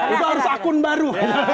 itu harus akun baru